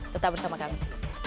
tetap bersama kami